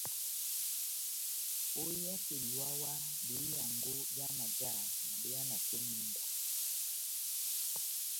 Óhiyaseni wáhá-wáhá behiyango byá majá na behanasɛ mínga.